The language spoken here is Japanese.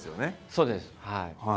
そうです。